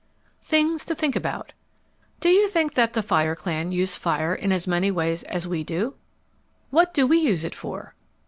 THINGS TO THINK ABOUT Do you think that the fire clan used fire in as many ways as we do? What do we use it for?